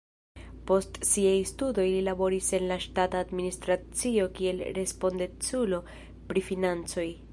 Post siaj studoj li laboris en la ŝtata administracio kiel respondeculo pri financoj.